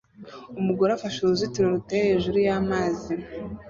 Umugore afashe uruzitiro ruteye hejuru y'amazi